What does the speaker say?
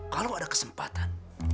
kalau ada kesempatan